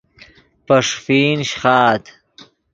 پے ݰیفین شیخآت